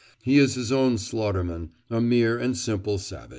He is his own slaughterman—a mere and simple savage.